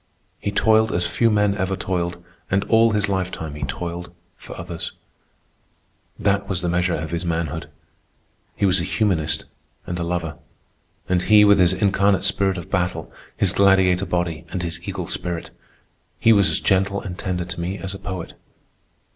He toiled as few men ever toiled, and all his lifetime he toiled for others. That was the measure of his manhood. He was a humanist and a lover. And he, with his incarnate spirit of battle, his gladiator body and his eagle spirit—he was as gentle and tender to me as a poet.